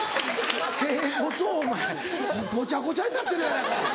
敬語とお前ごちゃごちゃになってるやないか。